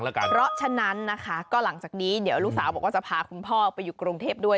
เพราะฉะนั้นนะคะก็หลังจากนี้เดี๋ยวลูกสาวบอกว่าจะพาคุณพ่อไปอยู่กรุงเทพด้วย